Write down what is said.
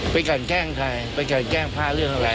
เกี่ยวกันแกล้งใครเกี่ยวกันแกล้งภาพเรื่องอะไร